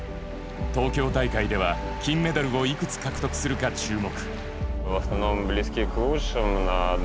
東京大会では金メダルをいくつ獲得するか注目。